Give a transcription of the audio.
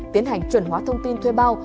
tiến hành chuẩn hóa thông tin thuê bao